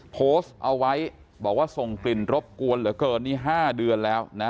โพสต์เอาไว้บอกว่าส่งกลิ่นรบกวนเหลือเกินนี่๕เดือนแล้วนะ